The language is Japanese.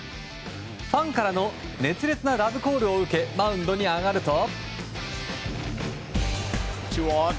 ファンからの熱烈なラブコールを受けマウンドに上がると。